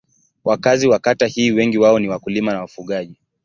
Wakazi wa kata hii wengi wao ni wakulima na wafugaji.